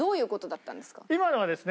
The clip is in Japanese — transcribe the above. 今のはですね